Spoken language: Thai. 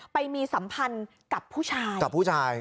ไปมีสัมพันธ์กับผู้ชาย